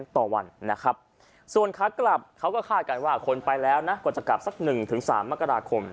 ต่อวันนะครับส่วนขากลับเขาก็คาดกันว่าคนไปแล้วนะกว่าจะกลับสัก๑๓มกราคม